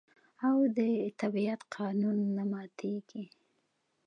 او د طبیعت قانون نه ماتیږي.